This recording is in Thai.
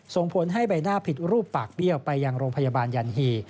ส่งผลให้ใบหน้าผิดรูปปากเบี้ยวไปยังโรงพยาบาลยันฮี